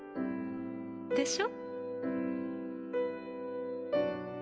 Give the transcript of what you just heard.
でしょ？